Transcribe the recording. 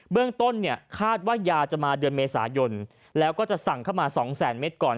เพราะต้นคาดว่ายาจะมาเดือนเมษายนแล้วก็จะสั่งขึ้นมา๒๐๐๐๐๐เม็ดก่อน